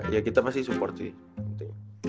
ya kita masih support sih